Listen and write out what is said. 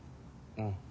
うん。